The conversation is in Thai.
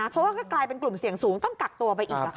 เพราะว่าก็กลายเป็นกลุ่มเสี่ยงสูงต้องกักตัวไปอีก